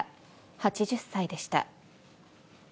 ８０歳でした。